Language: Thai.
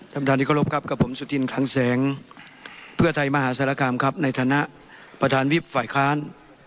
ท่านประธานที่เคารพครับกับผมสุธินคลังแสงเพื่อไทยมหาศาลคามครับในฐานะประธานวิบฝ่ายค้าน